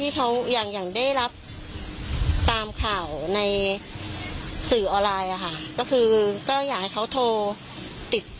จัดโทรศัพท์ก็คือติด